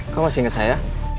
kamu masih inget saya